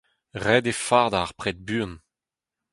Ret eo fardañ ar pred buan.